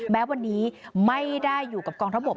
แม้วันนี้ไม่ได้อยู่กับกองทบก